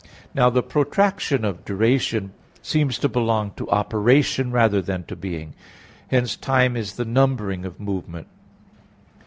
Now the protraction of duration seems to belong to operation rather than to being; hence time is the numbering of movement.